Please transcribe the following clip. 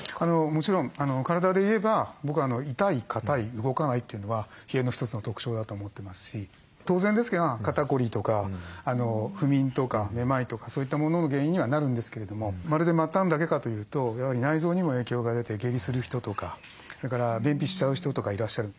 もちろん体で言えば僕は「痛い硬い動かない」というのは冷えの一つの特徴だと思ってますし当然ですが肩こりとか不眠とかめまいとかそういったものの原因にはなるんですけれどもまるで末端だけかというとやはり内臓にも影響が出て下痢する人とかそれから便秘しちゃう人とかいらっしゃる。